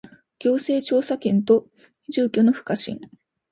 行政調査権と住居の不可侵